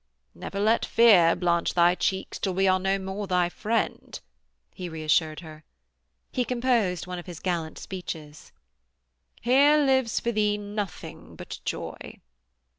'Never let fear blanch thy cheeks till we are no more thy friend,' he reassured her. He composed one of his gallant speeches: 'Here lives for thee nothing but joy.'